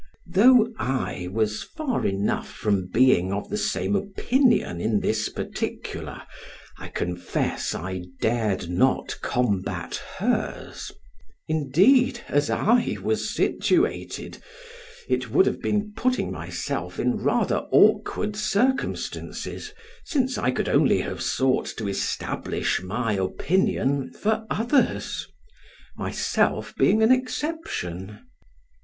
Though I was far enough from being of the same opinion in this particular, I confess I dared not combat hers; indeed, as I was situated, it would have been putting myself in rather awkward circumstances, since I could only have sought to establish my opinion for others, myself being an exception.